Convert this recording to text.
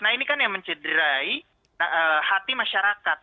nah ini kan yang mencederai hati masyarakat